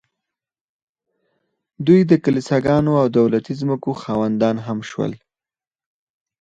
دوی د کلیساګانو او دولتي ځمکو خاوندان هم شول